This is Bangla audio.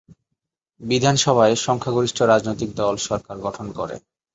বিধানসভায় সংখ্যাগরিষ্ঠ রাজনৈতিক দল সরকার গঠন করে।